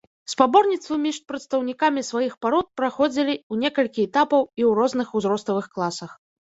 Спаборніцтвы між прадстаўнікамі сваіх парод праходзілі ў некалькі этапаў і ў розных узроставых класах.